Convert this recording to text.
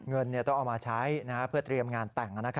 เงินต้องเอามาใช้เพื่อเตรียมงานแต่ง